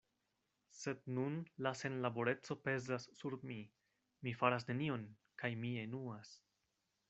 Sed nun la senlaboreco pezas sur mi: mi faras nenion, kaj mi enuas.